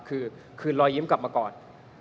คือคืนรอยยิ้มกลับมาก่อน